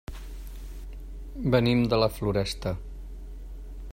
Venim de la Floresta.